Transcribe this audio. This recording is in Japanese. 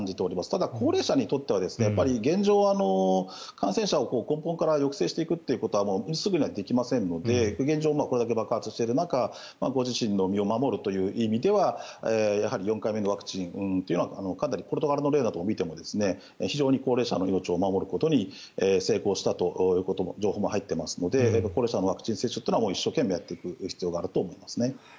ただ、高齢者にとっては現状、感染者を根本から抑制してくということはすぐにはできませんのでこれだけ爆発している中ご自身の身を守るという意味ではやはり４回目のワクチンというのはかなりポルトガルの例を見ても高齢者の命を守ることに成功したという情報も入っていますので高齢者のワクチン接種は一生懸命やっていく必要があると思いますね。